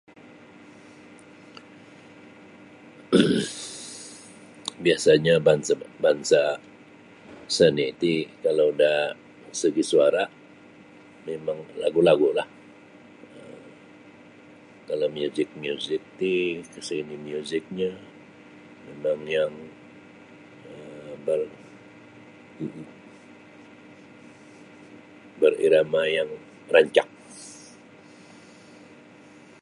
biasanyo bansa-bansa seni ti kalau da segi suara memang lagu-lagulah um kalau miuzik-miuzik ti seni miuziknyo memang yang um ber um berirama yang rancak.